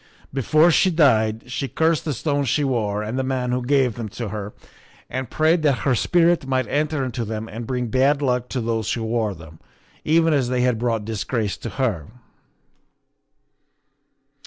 Before she died she cursed the stones she wore and the man who gave them to her, and prayed that her spirit might enter into them and bring bad luck to those who wore them, even as they had brought disgrace to her."